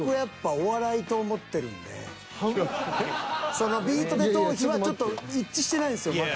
その「ビートＤＥトーヒ」はちょっと一致してないですまだ。